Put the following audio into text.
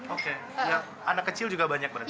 oke anak kecil juga banyak berarti